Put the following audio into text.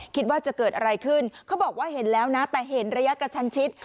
คิดว่าจะเกิดอะไรขึ้นเขาบอกว่าเห็นแล้วนะแต่เห็นระยะกระชันชิด